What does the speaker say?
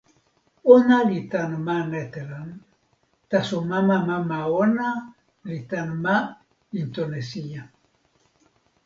ona li tan ma Netelan, taso mama mama ona li tan ma Intonesija.